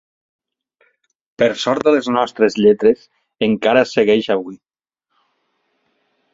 Per sort de les nostres lletres, encara es segueix avui.